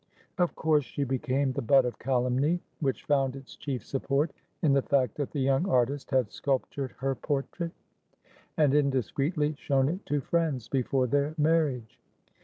Of course she became the butt of calumny, which found its chief support in the fact that the young artist had sculptured her portrait, and indiscreetly shown it to friends, before their marriage.